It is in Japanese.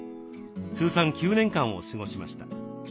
通算９年間を過ごしました。